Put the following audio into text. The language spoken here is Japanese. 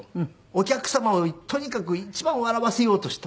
お客様をとにかく一番笑わせようと。